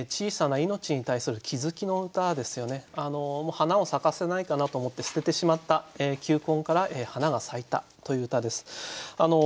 花を咲かせないかなと思って捨ててしまった球根から花が咲いたという歌です。